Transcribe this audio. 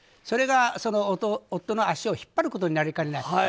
それが夫の足を引っ張ることになりかねない。